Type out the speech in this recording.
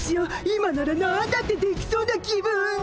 今ならなんだってできそうな気分！